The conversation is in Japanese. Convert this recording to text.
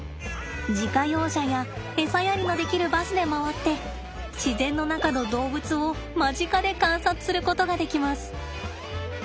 自家用車やエサやりのできるバスで回って自然の中の動物を間近で観察することができます。